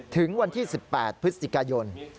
ถึงวันที่๑๘พฤศจิกายน